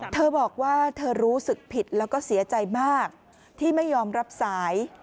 เธอบอกว่าเธอรู้สึกผิดแล้วก็เสียใจมากที่ไม่ยอมรับสาย